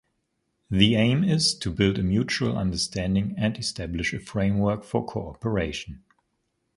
The aim is to build a mutual understanding and establish a framework for cooperation.